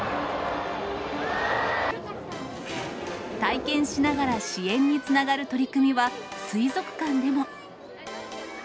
体験しながら支援につながる取り組みは、水族館でも。